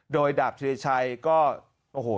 โดยดาบธิรัชัยก็